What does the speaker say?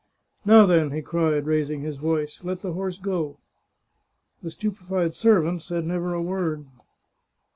Now, then," he cried, raising his voice, " let the horse go !" The stupefied servant said never a word.